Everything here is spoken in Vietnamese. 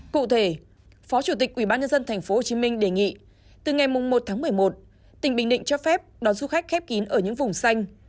cụ thể phó chủ tịch quỹ bán nhân dân tp hcm đề nghị từ ngày một một mươi một tỉnh bình định cho phép đón du khách khép kín ở những vùng xanh